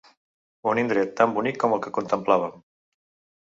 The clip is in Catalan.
Un indret tan bonic com el que contemplaven